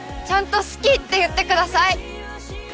ちゃんと「好き」って言ってください！